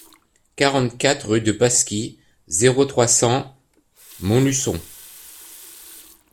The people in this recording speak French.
quarante-quatre rue de Pasquis, zéro trois, cent Montluçon